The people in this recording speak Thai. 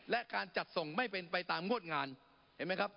และการจัดส่งไม่เป็นไปตามงวดงานเห็นไหมครับ